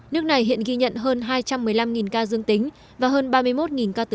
nước này hiện ghi nhận hơn hai trăm một mươi năm ca dương tính và hơn ba mươi một ca tử vong do covid một mươi chín